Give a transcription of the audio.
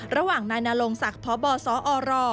ระหว่างนายนรงศักดิ์พบสอร